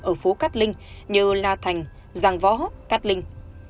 ở phố cát linh như la thành giang võ cát linh